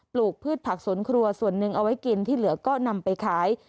ลูกพืชผักสวนครัวส่วนหนึ่งเอาไว้กินที่เหลือก็นำไปขาย